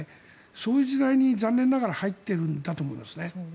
そういう時代に残念ながら入っているんだと思います。